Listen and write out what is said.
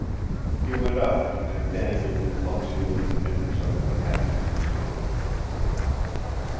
He went out and dangled the clumsy looking mittens under the half breed's nose.